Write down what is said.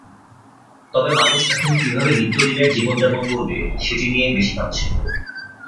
তবে মানুষ এখন কীভাবে নিত্যদিনের জীবন যাপন করবে, সেটি নিয়েই বেশি ভাবছে।